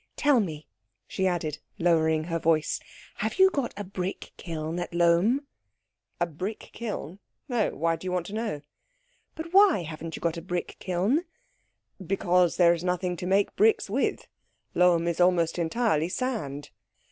"Tell me," she added, lowering her voice, "have you got a brick kiln at Lohm?" "A brick kiln? No. Why do you want to know?" "But why haven't you got a brick kiln?" "Because there is nothing to make bricks with. Lohm is almost entirely sand."